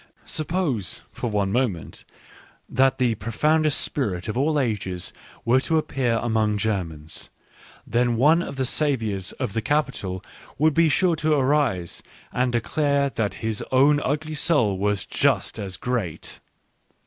Suppose, for one moment, that the profoundest spirit of all ages were to appear among Germans, then one of the saviours of the Capitol would be sure to arise and declare that his own ugly soul was just as great.